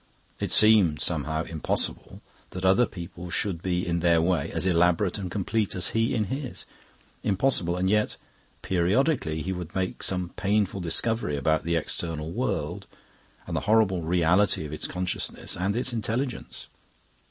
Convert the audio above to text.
It seemed, somehow, impossible that other people should be in their way as elaborate and complete as he in his. Impossible; and yet, periodically he would make some painful discovery about the external world and the horrible reality of its consciousness and its intelligence.